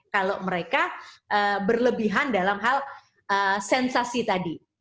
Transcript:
kalau mereka berlebihan dalam hal sensasi tadi